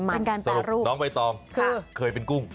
เป็นการแปรรูปน้องใบตองเคยเป็นกุ้ง